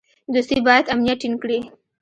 دوستي باید امنیت ټینګ کړي.